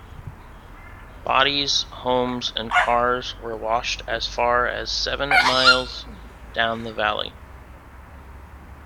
Bodies, homes, and cars were washed as far as seven miles down the valley.